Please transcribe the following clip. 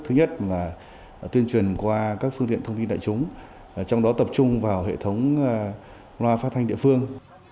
thứ nhất là tuyên truyền qua các phương tiện thông tin đại chúng trong đó tập trung vào hệ thống loa phát thanh địa phương